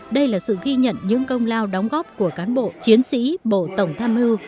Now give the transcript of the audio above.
đây là sự ghi nhận những công lao đóng góp của cán bộ chiến sĩ bộ tổng tham mưu